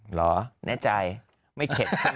เหรอแน่ใจ